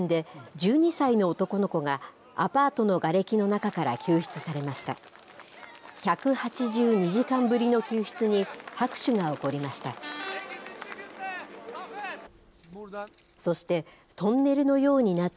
１８２時間ぶりの救出に、拍手が起こりました。